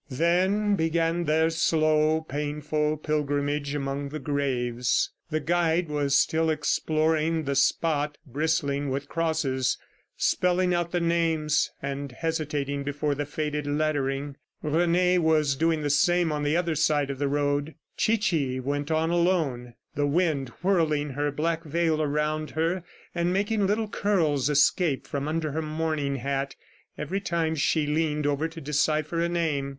Then began their slow, painful pilgrimage among the graves. The guide was still exploring the spot bristling with crosses, spelling out the names, and hesitating before the faded lettering. Rene was doing the same on the other side of the road. Chichi went on alone, the wind whirling her black veil around her, and making the little curls escape from under her mourning hat every time she leaned over to decipher a name.